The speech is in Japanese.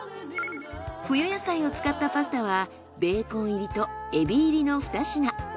冬野菜を使ったパスタはベーコン入りとエビ入りの２品。